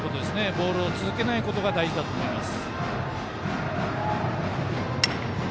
ボールを続けないことが大事だと思います。